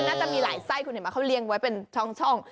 น่าจะมีหลายไส้คุณเห็นไหมเขาเลี้ยงไว้เป็นช่อง